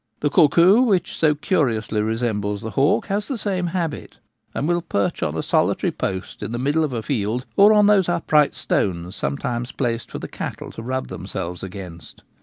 The cuckoo, which so curiously resembles the hawk, has the same habit, and will perch on a solitary post in the middle of a field, or on those upright stones sometimes placed for the cattle to rub themselves against.